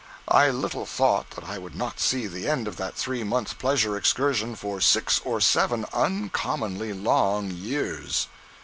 I little thought that I would not see the end of that three month pleasure excursion for six or seven uncommonly long years!